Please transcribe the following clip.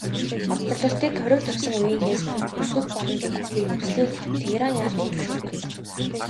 Олборлолтыг хориг тавьсан үеийнхээс өсгөх боломж өгөхгүй нөхцөлийг Тегеран яасан ч зөвшөөрөхгүй.